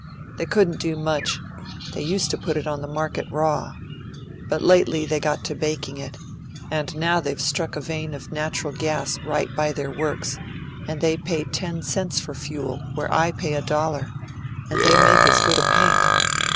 They couldn't do much; they used to put it on the market raw. But lately they got to baking it, and now they've struck a vein of natural gas right by their works, and they pay ten cents for fuel, where I pay a dollar, and they make as good a paint.